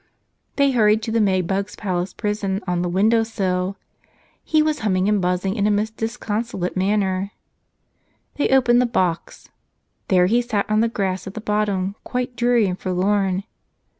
They hurried to the May bug's palace prison on the window sill. He was humming and buzzing in a most disconsolate manner. They opened the box. There he sat on the grass at the bottom, quite dreary and forlorn.